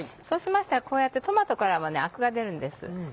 そうしましたらこうやってトマトからもアクが出るんです。